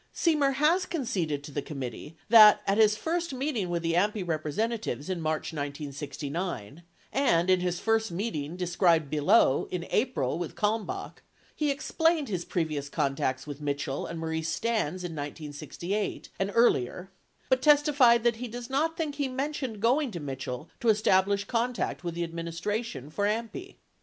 34 Semer has conceded to the committee that at his first meeting with the AMPI representatives in March 1969 (and in his first meeting, described below, in April, with Kalmbach) , he explained his previous contacts with Mitchell and Maurice Stans in 1968 and earlier, 35 but testified that he does not think he mentioned going to Mitchell to establish contact with the administration for AMPI.